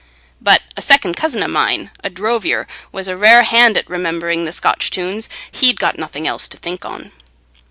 But a second cousin o' mine, a drovier, was a rare hand at remembering the Scotch tunes. He'd got nothing else to think on."